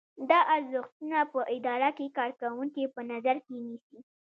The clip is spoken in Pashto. دا ارزښتونه په اداره کې کارکوونکي په نظر کې نیسي.